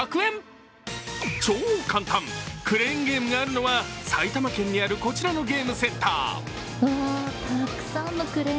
クレーンゲームがあるのは、埼玉県にあるこちらのゲームセンター。